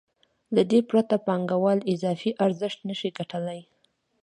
له دې پرته پانګوال اضافي ارزښت نشي ګټلی